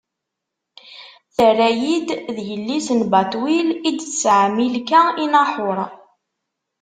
Terra-yi-d: D yelli-s n Batwil i d-tesɛa Milka i Naḥuṛ.